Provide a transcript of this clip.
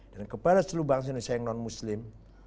dan kepada seluruh bangsa indonesia yang non muslim